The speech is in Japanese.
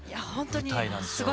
舞台なんですよ。